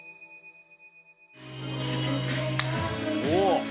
お！